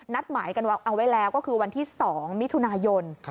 หมายกันเอาไว้แล้วก็คือวันที่๒มิถุนายน